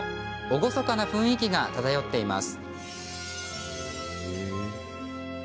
厳かな雰囲気が漂っています。